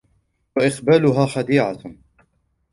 وَإِقْبَالُهَا خَدِيعَةٌ